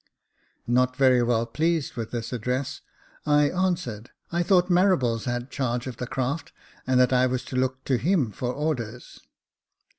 Not very well pleased with this address, I answered, *' I thought Marables had charge of the craft, and that I was to look to him for orders."